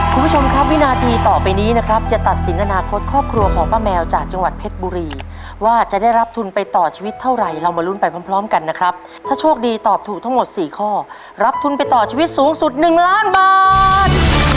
คุณผู้ชมครับวินาทีต่อไปนี้นะครับจะตัดสินอนาคตครอบครัวของป้าแมวจากจังหวัดเพชรบุรีว่าจะได้รับทุนไปต่อชีวิตเท่าไหร่เรามาลุ้นไปพร้อมกันนะครับถ้าโชคดีตอบถูกทั้งหมดสี่ข้อรับทุนไปต่อชีวิตสูงสุด๑ล้านบาท